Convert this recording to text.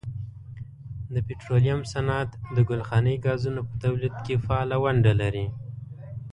د پټرولیم صنعت د ګلخانهیي ګازونو په تولید کې فعاله ونډه لري.